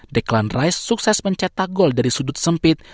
deklan rice sukses mencetak gol dari sudut sempit